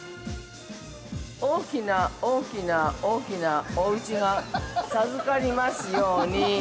◆大きな大きな大きなおうちが授かりますように。